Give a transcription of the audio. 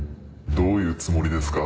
どういうつもりですか？